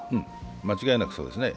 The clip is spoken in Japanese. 間違いなくそうですね。